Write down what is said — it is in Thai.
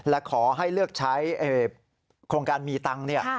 และขอให้เลือกใช้โครงการมีตังค์